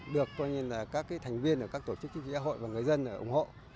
được các thành viên của các tổ chức chính trị gia hội và người dân ủng hộ